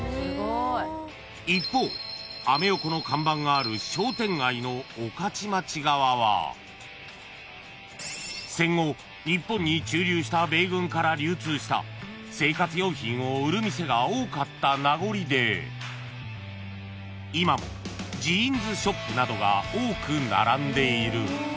［一方「アメ横」の看板がある商店街の御徒町側は戦後日本に駐留した米軍から流通した生活用品を売る店が多かった名残で今もジーンズショップなどが多く並んでいる］